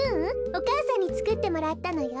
おかあさんにつくってもらったのよ。